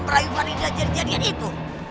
merayu faridah jajadian itu